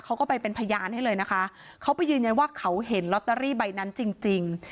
เขาก็ไปเป็นพยานให้เลยนะคะเขาไปยืนยันว่าเขาเห็นลอตเตอรี่ใบนั้นจริงจริง